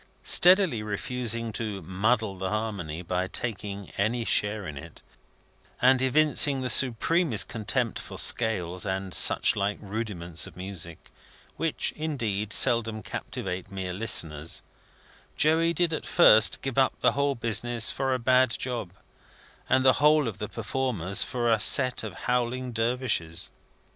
Steadily refusing to muddle the harmony by taking any share in it, and evincing the supremest contempt for scales and such like rudiments of music which, indeed, seldom captivate mere listeners Joey did at first give up the whole business for a bad job, and the whole of the performers for a set of howling Dervishes.